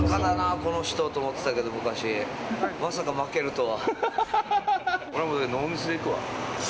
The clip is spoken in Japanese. この人と思ってたけど、昔まさか負けるとは。